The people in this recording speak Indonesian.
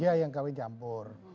iya yang kawin campur